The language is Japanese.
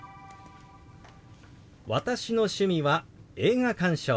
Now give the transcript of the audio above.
「私の趣味は映画鑑賞です」。